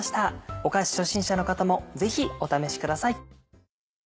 お菓子初心者の方もぜひお試しください。